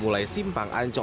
mulai simpang anjali